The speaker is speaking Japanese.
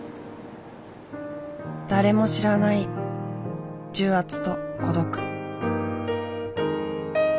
誰も知らない重圧と孤独。